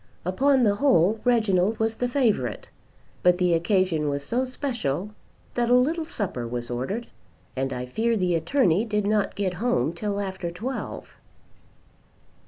Upon the whole Reginald was the favourite. But the occasion was so special that a little supper was ordered, and I fear the attorney did not get home till after twelve.